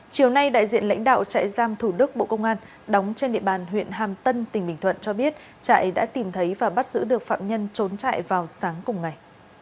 chiều nay đại diện lãnh đạo trại giam thủ đức bộ công an đóng trên địa bàn huyện hàm tân tỉnh bình thuận cho biết trại đã tìm thấy và bắt giữ được phạm nhân trốn trại vào sáng cùng ngày